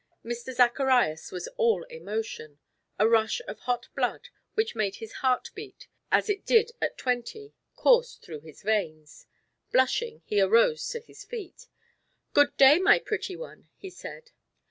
Mr. Zacharias was all emotion a rush of hot blood, which made his heart beat, as it did at twenty, coursed through his veins. Blushing, he arose to his feet. "Good day, my pretty one!" he said.